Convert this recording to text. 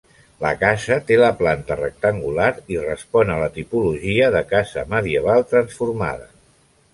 La casa té la planta rectangular i respon a la tipologia de casa medieval transformada.